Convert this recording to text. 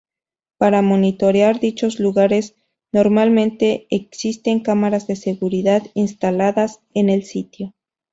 Para monitorear dichos lugares normalmente existen cámaras de seguridad instaladas en el sitio.